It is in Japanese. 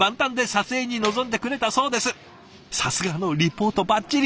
さすがのリポートばっちり。